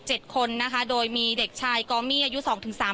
พูดสิทธิ์ข่าวธรรมดาทีวีรายงานสดจากโรงพยาบาลพระนครศรีอยุธยาครับ